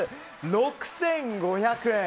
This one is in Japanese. ６５００円。